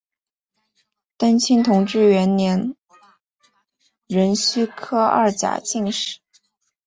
登清同治元年壬戌科二甲进士。